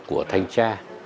của thanh tra